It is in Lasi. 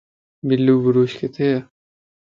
بلو بُروش ڪٿي ءَ ؟